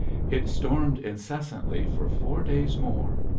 It stormed incessantly for four days more.